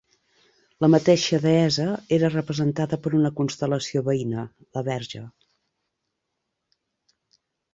La mateixa deessa era representada per una constel·lació veïna: la Verge.